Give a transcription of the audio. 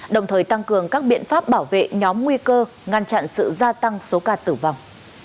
đồng thời tăng cường các biện pháp bảo vệ nhóm nguy cơ ngăn chặn sự gia tăng số ca tử vong